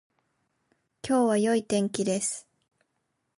今日は良い天気です